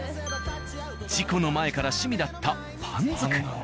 事故の前から趣味だったパン作り。